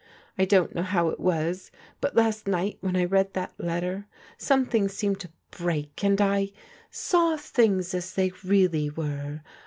I don't know how it was, but last night when I read that letter, something seemed to break, and I — saw things as they really were.